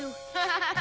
ハハハハ。